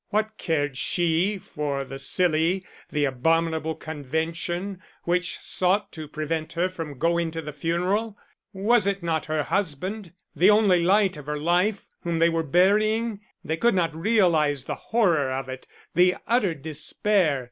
What cared she for the silly, the abominable convention, which sought to prevent her from going to the funeral? Was it not her husband, the only light of her life, whom they were burying? They could not realise the horror of it, the utter despair.